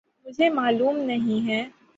مجھے معلوم نہیں ہے۔